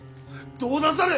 どうなさる？